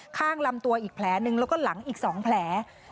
ข้างลำตัวอีกแผลหนึ่งแล้วก็หลังอีก๒แผล